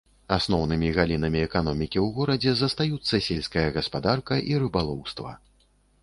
Асноўнымі галінамі эканомікі ў горадзе застаюцца сельская гаспадарка і рыбалоўства.